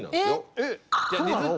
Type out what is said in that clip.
えっ！